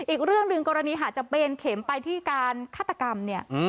อีกเรื่องหนึ่งกรณีหากจะเบนเข็มไปที่การฆาตกรรมเนี่ย